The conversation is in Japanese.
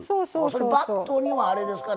それバットにはあれですか？